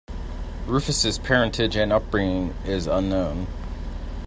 Rufus' parentage and upbringing is unknown.